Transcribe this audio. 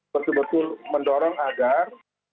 tentu mendorong agar